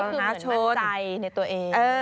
ก็คือเหมือนมันใจในตัวเอง